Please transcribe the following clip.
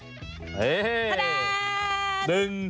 อัลละคราวร้อนเมือง